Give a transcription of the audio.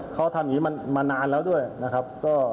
เขาทำอย่างนี้มานานแล้วด้วยนะครับ